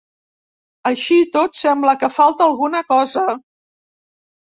Així i tot, sembla que falta alguna cosa.